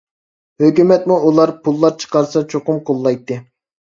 ھۆكۈمەتمۇ ئۇلار پۇللا چىقارسا چوقۇم قوللايتتى.